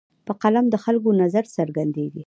په قلم د خلکو نظر څرګندېږي.